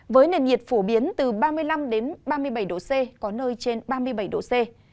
với nền nhiệt phổ biến từ ba mươi năm ba mươi bảy độ c có nơi trên ba mươi bảy độ c